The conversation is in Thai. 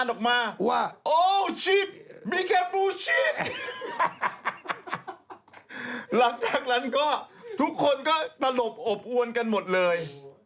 หลังจากนั้นก็ทุกคนก็ตลบอบอวนกันหมดเลย